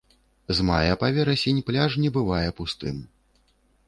З мая па верасень пляж не бывае пустым.